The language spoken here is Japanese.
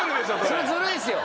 それずるいですよ！